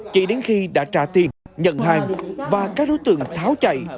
chỉ đến khi đã trả tiền nhận hàng và các đối tượng tháo chạy